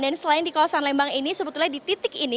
dan selain di kawasan lembang ini sebetulnya di titik ini